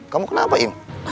kamu kena apa im